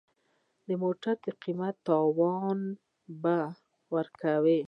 د موټر قیمت تاوان به ورکوې.